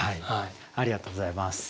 ありがとうございます。